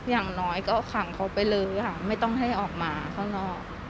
อย่างน้อยก็ขังเขาไปเลยค่ะไม่ต้องให้ออกมาข้างนอก